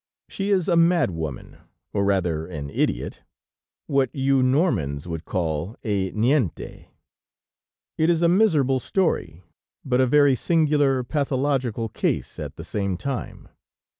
She is a mad woman, or rather an idiot, what you Normans would call a Niente. It is a miserable story, but a very singular pathological case at the same time.